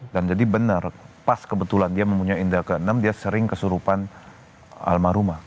dan jadi benar pas kebetulan dia mempunyai indra ke enam dia sering kesurupan almarhumah